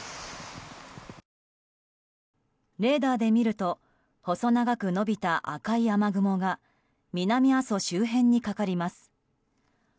レーダーで見ると細長く延びた赤い雨雲が南阿蘇周辺にかかります。